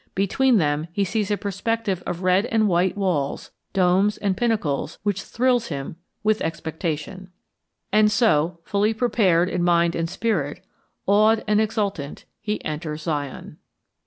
Between them he sees a perspective of red and white walls, domes, and pinnacles which thrills him with expectation. And so, fully prepared in mind and spirit, awed and exultant, he enters Zion.